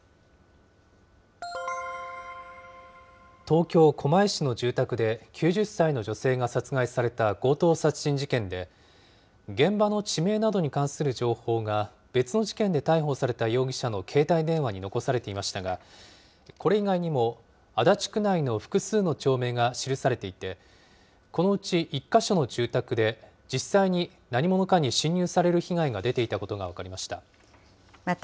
東京・狛江市の住宅で、９０歳の女性が殺害された強盗殺人事件で、現場の地名などに関する情報が、別の事件で逮捕された容疑者の携帯電話に残されていましたが、これ以外にも足立区内の複数の町名が記されていて、このうち１か所の住宅で、実際に何者かに侵入される被害が出ていたことが分かりました。